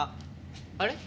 あれ？